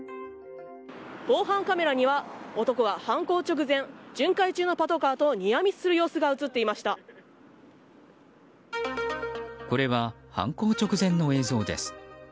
防犯カメラには男が犯行直前巡回中のパトカーとニヤミスする様子がこれは、犯行直前の映像です。